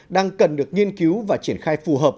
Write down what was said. đang cần được nghiên cứu và triển khai phù hợp